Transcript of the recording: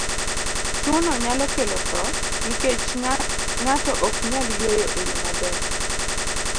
Tuwono nyalo kelo tho nikech ng'ato ok nyal yweyo e yo maber.